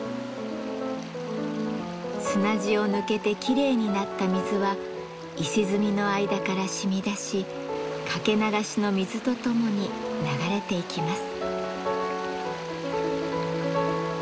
砂地を抜けてきれいになった水は石積みの間からしみ出しかけ流しの水とともに流れていきます。